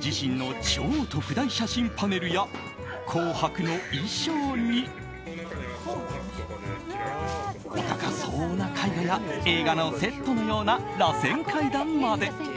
自身の超特大写真パネルや「紅白」の衣装にお高そうな絵画や映画のセットのようならせん階段まで。